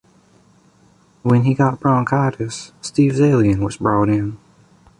When he got bronchitis, Steve Zaillian was brought in.